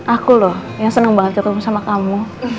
aku loh yang senang banget ketemu sama kamu